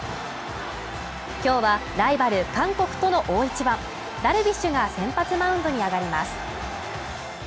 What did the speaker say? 今日はライバル韓国との大一番、ダルビッシュが先発マウンドに上がります。